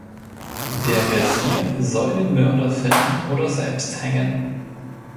Der Wesir soll den Mörder finden oder selbst hängen.